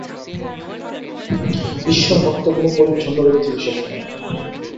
ঈশ্বর অর্থে কোন পরিচ্ছন্ন ব্যক্তিবিশেষ নয়।